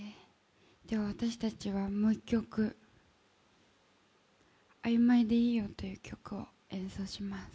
今日私達はもう一曲「あいまいでいいよ」という曲を演奏します